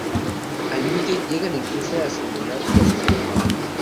Al límite, llegan incluso a simular su asesinato.